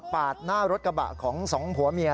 หน้ารถกระบะของสองผัวเมีย